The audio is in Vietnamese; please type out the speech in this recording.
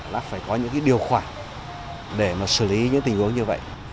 là phải có những điều khoản để mà xử lý những tình huống như vậy